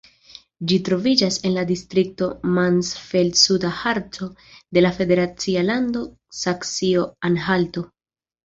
Ĝi troviĝas en la distrikto Mansfeld-Suda Harco de la federacia lando Saksio-Anhalto.